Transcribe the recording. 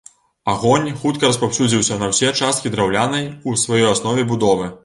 Агонь хутка распаўсюдзіўся на ўсе часткі драўлянай у сваёй аснове будовы.